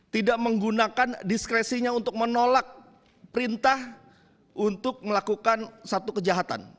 tidak menggunakan diskresinya untuk menolak perintah untuk melakukan satu kejahatan